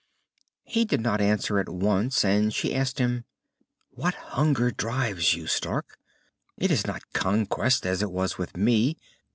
He did not answer at once, and she asked him, "What hunger drives you, Stark? It is not conquest, as it was with me.